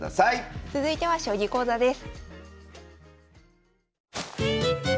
続いては将棋講座です。